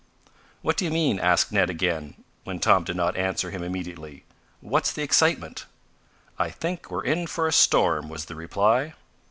"What do you mean?" asked Ned again, when Tom did not answer him immediately. "What's the excitement?" "I think we're in for a storm," was the reply.